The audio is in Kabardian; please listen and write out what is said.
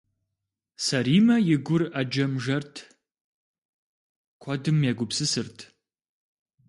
Сэримэ и гур Ӏэджэм жэрт, куэдым егупсысырт.